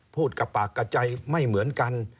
พูดกระปากกระใจไม่เหมือนกัน